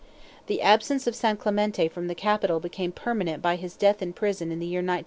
The "absence" of Sanclamente from the capital became permanent by his death in prison in the year 1902.